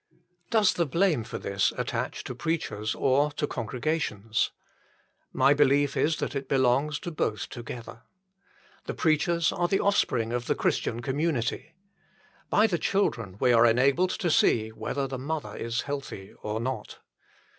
Does the blame for this issue attach to preachers or to congregations ? My belief is that it belongs to both together. The preachers are the offspring of the Christian community. By the children we are enabled to see whether the mother is healthy or not.